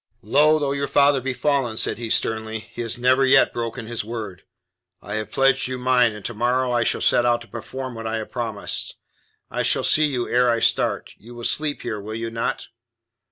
"Low though your father be fallen," said he sternly, "he has never yet broken his word. I have pledged you mine, and to morrow I shall set out to perform what I have promised. I shall see you ere I start. You will sleep here, will you not?"